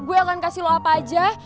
gue akan kasih lo apa aja